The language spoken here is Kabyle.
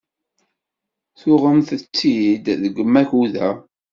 Tuɣemt-tt-id deg Makuda?